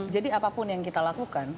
jadi apapun yang kita lakukan